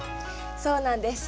そうなんです。